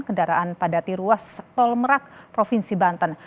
kendaraan padati ruas tol merak provinsi banten